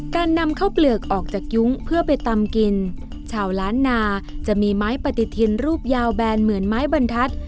การนำข้าวเปลือกออกจากยุ้งเพื่อไปตำกินชาวล้านนาจะมีไม้ปฏิทินรูปยาวแบนเหมือนไม้บรรทัศน์